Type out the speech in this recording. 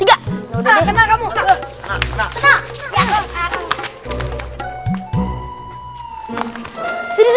itu game lu